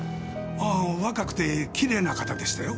ああ若くてきれいな方でしたよ。